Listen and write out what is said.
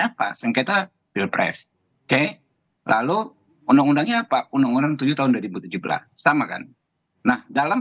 apa sengketa pilpres oke lalu undang undangnya apa undang undang tujuh tahun dua ribu tujuh belas sama kan nah dalam